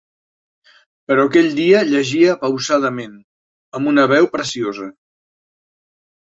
Però aquell dia llegia pausadament, amb una veu preciosa.